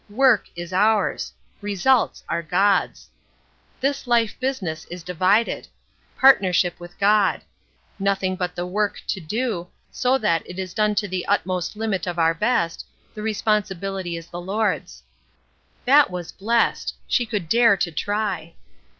Work is ours; results are God's. This life business is divided. Partnership with God. Nothing but the work to do; so that it is done to the utmost limit of our best, the responsibility is the Lord's. That was blessed! She could dare to try.